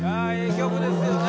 曲ですよね